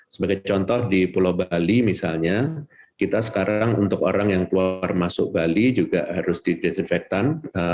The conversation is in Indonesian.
sebagai contoh di pulau bali misalnya kita sekarang untuk orang yang keluar masuk bali juga harus didesinfektan